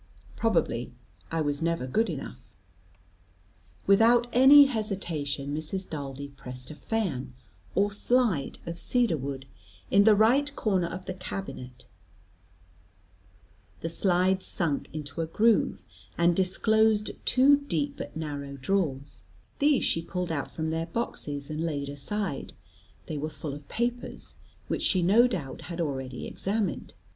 Probably I was never good enough. Without any hesitation, Mrs. Daldy pressed a fan, or slide, of cedar wood, in the right corner of the cabinet; the slide sunk into a groove, and disclosed two deep, but narrow drawers; these she pulled out from their boxes, and laid aside; they were full of papers, which she no doubt had already examined.